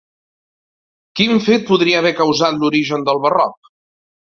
Quin fet podria haver causat l'origen del Barroc?